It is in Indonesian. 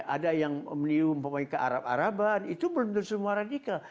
ada yang meniru kearab araban itu belum semua radikal